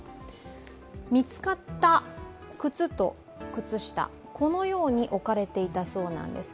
見つかった靴と靴下、このように置かれていたそうです。